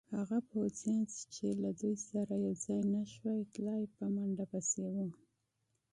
هغه پوځیان چې له دوی سره یوځای نه شوای تلای، په منډه پسې وو.